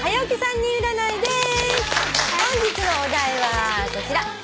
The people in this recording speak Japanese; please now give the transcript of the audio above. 本日のお題はこちら。